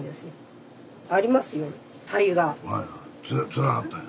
釣りはったんや。